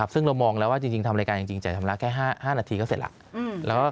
ซึ่งเรามองแล้วว่าจริงทำรายการจริงจ่ายชำระแค่๕นาทีก็เสร็จแล้ว